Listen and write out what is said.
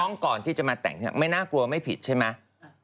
ก่อนที่จะมาแต่งไม่น่ากลัวไม่ผิดใช่ไหม